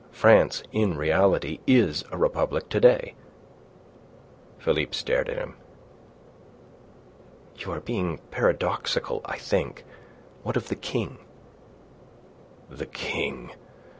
France in reality is a republic to day." Philippe stared at him. "You are being paradoxical, I think. What of the King?" "The King?